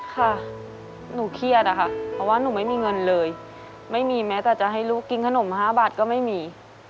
ค่ะหนูเครียดอะค่ะเพราะว่าหนูไม่มีเงินเลยไม่มีแม้แต่จะให้ลูกกินขนม๕บาทก็ไม่มี